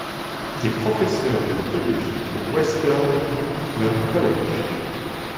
Il est professeur de biologie au Western New England College.